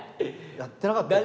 やってなかったっけ？